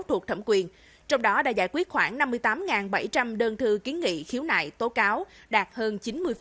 thuộc thẩm quyền trong đó đã giải quyết khoảng năm mươi tám bảy trăm linh đơn thư kiến nghị khiếu nại tố cáo đạt hơn chín mươi